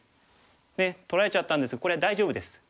ねえ取られちゃったんですけどこれは大丈夫です。